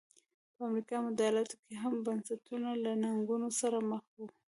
په امریکا متحده ایالتونو کې هم بنسټونه له ننګونو سره مخ وو.